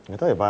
gak tau ya pak